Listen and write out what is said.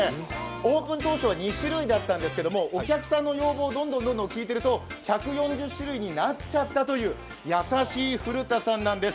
オープン当初は２種類だったんですけどお客さんの要望をどんどんどんどん聞いていると１４０種類になっちゃったという、優しい古田さんなんです。